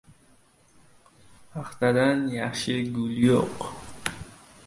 • Paxtadan yaxshi gul yo‘q.